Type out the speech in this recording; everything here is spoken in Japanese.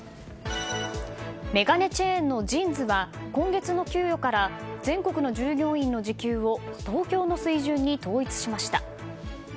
眼鏡チェーンのＪＩＮＳが今月の給与から全国の従業員の時給を東京の水準に統一しました。